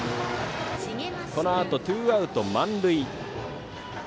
このあと、ツーアウト満塁。